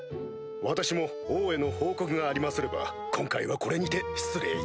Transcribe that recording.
私も王への報告がありますれば今回はこれにて失礼いたします。